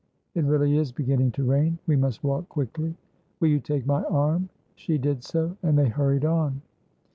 It really is beginning to rain. We must walk quickly." "Will you take my arm?" She did so, and they hurried on.